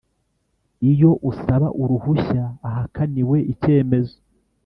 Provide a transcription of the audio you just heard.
Iyo usaba uruhushya ahakaniwe icyemezo